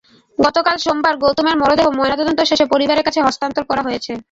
গতকাল সোমবার গৌতমের মরদেহ ময়নাতদন্ত শেষে পরিবারের কাছে হস্তান্তর করা হয়েছে।